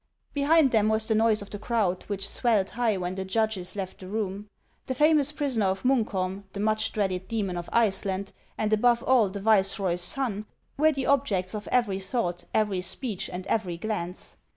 Behind them was the noise of the crowd, which swelled high when the judges left the room. The famous prisoner of Munkholm, the much dreaded demon of Iceland, aud above all the viceroy's son, were the objects of every thought, every speech, and every glance.